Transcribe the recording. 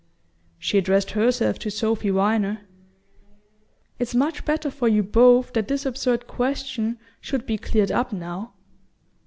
She addressed herself to Sophy Viner. "It's much better for you both that this absurd question should be cleared up now."